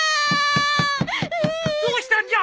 どうしたんじゃ！？